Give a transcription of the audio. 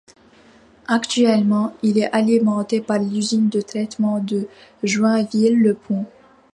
Actuellement, il est alimenté par l'usine de traitement de Joinville-le-Pont.